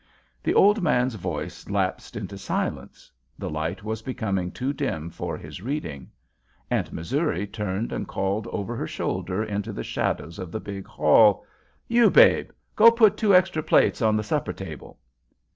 The old man's voice lapsed into silence; the light was becoming too dim for his reading. Aunt Missouri turned and called over her shoulder into the shadows of the big hall: "You Babe! Go put two extra plates on the supper table."